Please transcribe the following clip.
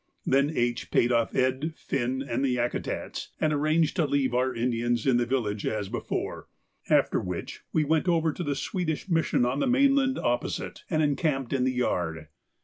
Then H. paid off Ed., Finn, and the Yakutats, and arranged to leave our Indians in the village as before, after which we went over to the Swedish Mission on the mainland opposite, and encamped in the yard.